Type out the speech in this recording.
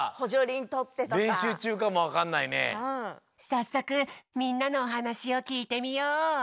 さっそくみんなのおはなしをきいてみよう！